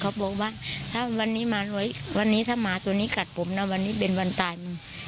เขาบอกว่าวันนี้ถ้าหมาตัวนี้กัดผมนะวันนี้เป็นวันตาย